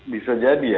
bisa jadi ya